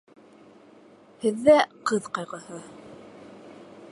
— Һеҙҙә ҡыҙ ҡайғыһы...